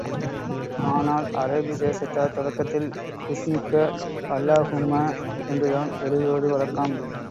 ஆனால், அரபி தேசத்தார் தொடக்கத்தில், பிஸ்மிக்க அல்லாஹூம்ம என்றுதான் எழுதுவது வழக்கம்.